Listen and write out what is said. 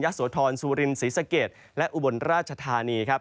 ยศวทรสุรินทร์ศรีสะเกตและอุบลราชธานีครับ